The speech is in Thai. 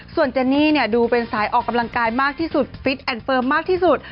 ส่วนเจนนี่ดูเป็นสายออกกำลังกายมากที่สุดฟิตแอนดเฟิร์มมากที่สุด